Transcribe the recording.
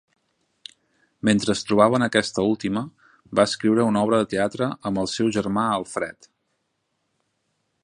Mentre es trobava en aquesta última, va escriure una obra de teatre amb el seu germà Alfred.